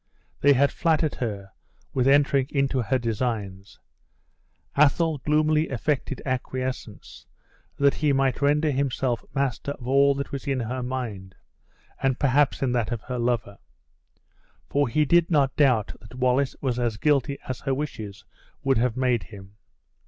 They had flattered her with entering into her designs. Athol gloomily affected acquiescence, that he might render himself master of all that was in her mind, and, perhaps, in that of her lover; for he did not doubt that Wallace was as guilty as her wishes would have made him.